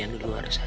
hoi atuh au kan